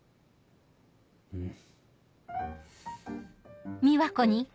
うん。